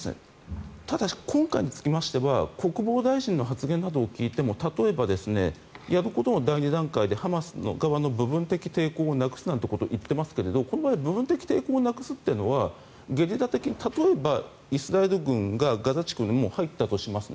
ただし今回につきましては国防大臣の発言などを聞いても例えばやることの第２段階でハマス側の部分的抵抗をなくすなんてことを言っていますがこの場合は部分的抵抗をなくすというのはゲリラ的に例えばイスラエル軍がガザ地区に入ったとします。